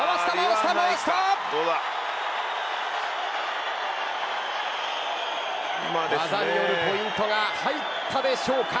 技によるポイントが入ったでしょうか。